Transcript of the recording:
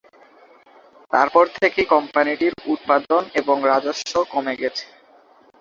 তারপর থেকে কোম্পানিটির উৎপাদন এবং রাজস্ব কমে গেছে।